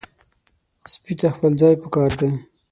سپي ته خپل ځای پکار دی.